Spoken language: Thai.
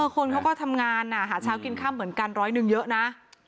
คนเขาก็ทำงานหาเช้ากินค่ำเหมือนกันร้อยหนึ่งเยอะนะ